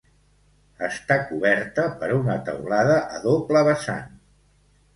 Està coberta per una teulada a doble vessant.